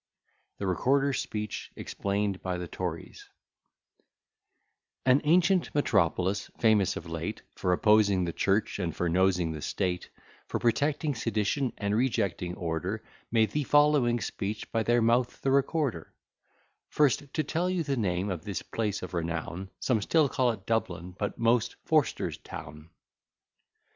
THE RECORDER'S SPEECH EXPLAINED BY THE TORIES An ancient metropolis, famous of late For opposing the Church, and for nosing the State, For protecting sedition and rejecting order, Made the following speech by their mouth, the Recorder: First, to tell you the name of this place of renown, Some still call it Dublin, but most Forster's town.